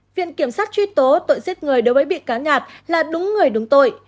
viện kiểm sát truy tố tội giết người đối với bị cáo nhạt là đúng người đúng tội